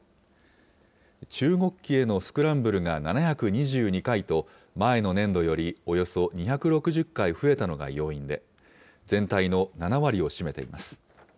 中国機へのスクランブルが７２２回と、前の年度よりおよそ２６０回増えたのが要因で、全体の７割を占めています。